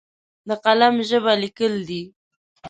د قلم ژبه لیکل دي!